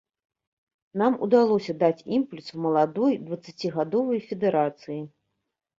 Нам удалося даць імпульс маладой дваццацігадовай федэрацыі.